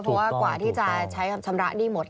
เพราะว่ากว่าที่จะใช้คำชำระหนี้หมด